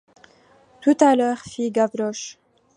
Tout à l’heure, fit Gavroche.